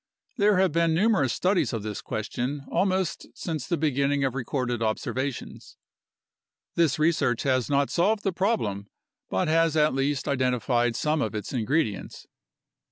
There have been numerous studies of this question almost since the beginning of recorded observations. This research has not solved the problem but has at least identified some of its ingredients.